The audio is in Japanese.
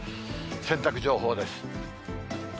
洗濯情報です。